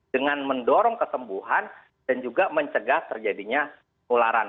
dengan mendorong kesembuhan dan juga mencegah terjadinya penularan